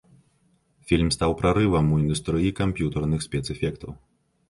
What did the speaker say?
Фільм стаў прарывам у індустрыі камп'ютарных спецэфектаў.